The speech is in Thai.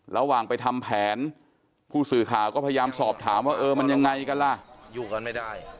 ระหว่างไปทำแผนผู้สื่อข่าวก็พยายามสอบถามว่าเออมันยังไงกันล่ะอยู่กันไม่ได้